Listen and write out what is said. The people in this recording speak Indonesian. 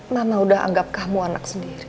mama udah anggap kamu anak sendiri